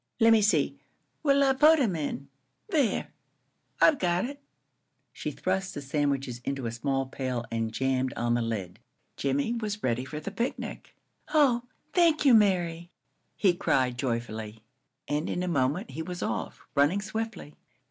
Lemme see. What 'll I put 'em in? There I've got it." She thrust the sandwiches into a small pail and jammed on the lid. Jimmie was ready for the picnic. "Oh, thank you, Mary!" he cried, joyfully, and in a moment he was off, running swiftly.